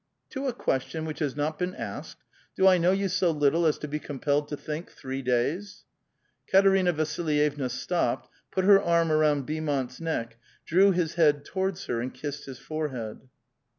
'' "To a question which has not been asked? Do I know you so little as to be compelled to think three days ?" Kat erina Vasilvevna stopped, put her arm around Beaumont's neck, drew his head towards her, and kissed his forehead.